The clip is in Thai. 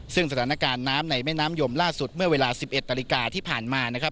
ซึ่งสถานการณ์น้ำในแม่น้ำยมล่าสุดเมื่อเวลา๑๑นาฬิกาที่ผ่านมานะครับ